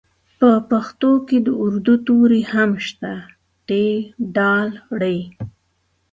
په پښتو کې د اردو توري هم شته ټ ډ ړ